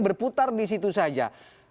berputar di situ saja